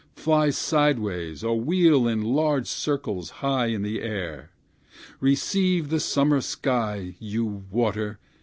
fly sideways, or wheel in large circles high in the air; Receive the summer sky, you water!